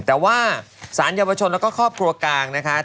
แต่ว่าสารเยาวชนแล้วก็ครอบครัวกลางนะคะ